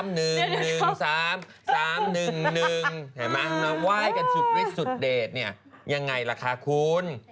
เห็นไหมมาไหว้กันสุดวิสุดเดชเนี่ยยังไงล่ะคะคุณ